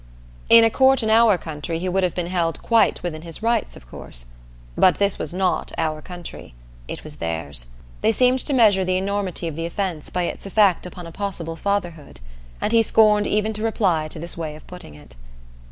In a court in our country he would have been held quite "within his rights," of course. But this was not our country; it was theirs. They seemed to measure the enormity of the offense by its effect upon a possible fatherhood, and he scorned even to reply to this way of putting it.